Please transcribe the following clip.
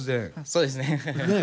そうですね。